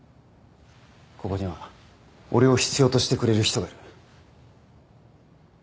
ここには俺を必要としてくれる人がいる。